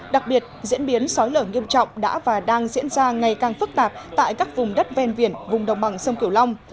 đặc biệt diễn biến sói lở nghiêm trọng đã và đang diễn ra ngày càng phức tạp tại các vùng đất ven biển vùng đồng bằng sông cửu long